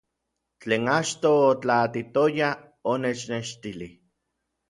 Tlen achtoj otlaatitoya onechnextilij.